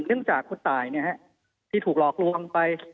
ของคุณตายที่ถูกหลอกลงไป